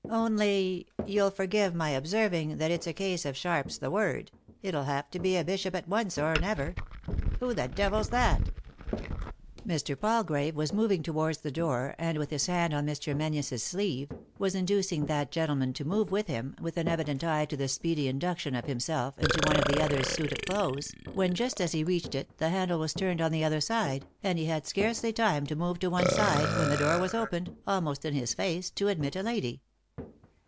Only— you'll forgive my observing that it's a case of sharp's the word ; it'll have to be a bishop at once, or never. Who the devil's that f " Mr. Palgrave was moving towards the door, and, with his hand on Mr. Menzies' sleeve, was inducing that gentleman to move with him, with an evident eye to the speedy induction of himself into one of the other's suits of clothes, when just as he reached 3M 3i 9 iii^d by Google THE INTERRUPTED KISS it the handle was turned cm the other side, and he had scarcely time to more to one side, when the door was opened, almost in his face, to admit a lady.